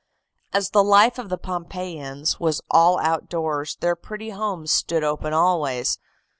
"As the life of the Pompeiians was all outdoors, their pretty homes stood open always.